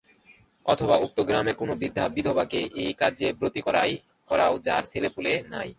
অথবা উক্ত গ্রামের কোন বৃদ্ধা বিধবাকে এ কার্যে ব্রতী করাও, যাঁর ছেলেপুলে নাই।